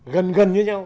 gần gần với nhau